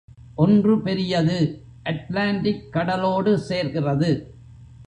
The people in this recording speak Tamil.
ஒன்று பெரியது அட்லாண்டிக் கடலோடு சேர்கிறது.